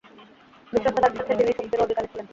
বিশ্বস্ততার সাথে তিনি শক্তিরও অধিকারী ছিলেন।